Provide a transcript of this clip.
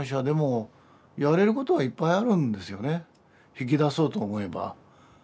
引き出そうと思えば。